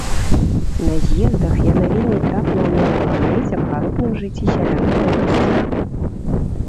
На з'ездах яна вельмі трапна ўмела гаварыць аб гаротным жыцці сялянак на вёсцы.